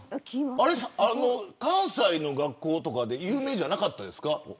関西の学校で有名じゃなかったですか。